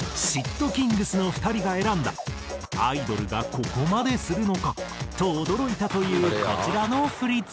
＊ｔｋｉｎｇｚの２人が選んだアイドルがここまでするのか！と驚いたというこちらの振付。